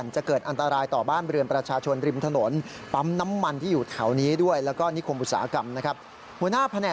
เพิ่งแผ่วว่าเท่าที่สำรวจนะ